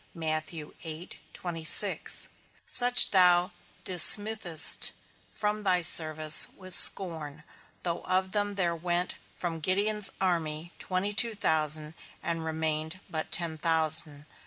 _ Such thou dismissest from thy service with scorn, though of them there went from Gideon's army twenty two thousand, and remained but ten thousand.